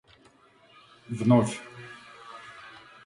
вновь